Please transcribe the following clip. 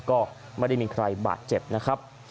ก็ไม่ได้มีใครบาดเจ็บนะครับ